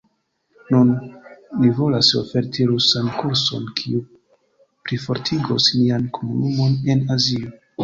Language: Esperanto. Nun ni volas oferti rusan kurson, kiu plifortigos nian komunumon en Azio.